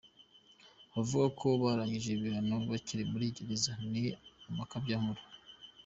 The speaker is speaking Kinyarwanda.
Abavuga ko barangije ibihano bakiri muri gereza ni amakabyankuru